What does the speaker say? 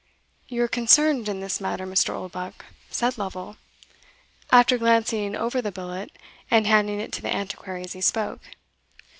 "You are concerned in this matter, Mr. Oldbuck," said Lovel, after glancing over the billet, and handing it to the Antiquary as he spoke.